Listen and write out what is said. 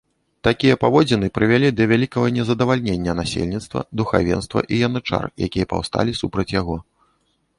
Такія паводзіны прывялі да вялікага незадавальнення насельніцтва, духавенства і янычар, якія паўсталі супраць яго.